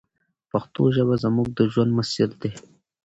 پښتو ژبه زموږ د ژوند مسیر دی.